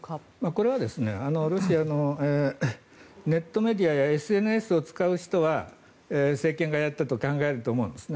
これはロシアのネットメディアやＳＮＳを使う人は政権がやったと考えると思うんですね。